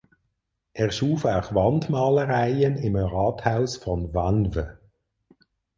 Er schuf auch Wandmalereien im Rathaus von Vanves.